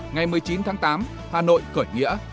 ngày một mươi chín tháng tám hà nội cởi nghĩa